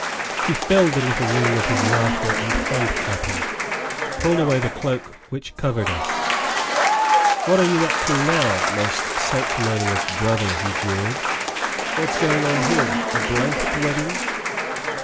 He filled the little room with his laughter and hand clapping, pulled away the cloak which covered us, "What are you up to now, most sanctimonious 'brother'?" he jeered. "What's going on here, a blanket wedding?"